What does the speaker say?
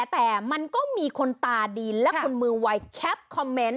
แต่มันก็มีคนตาดีและคนมือวัยแคปคอมเมนต์